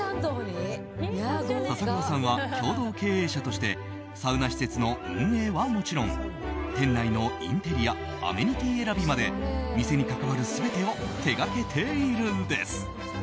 笹川さんは共同経営者としてサウナ施設の運営はもちろん店内のインテリアアメニティー選びまで店に関わる全てを手掛けているんです。